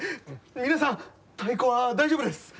皆さん太鼓は大丈夫です！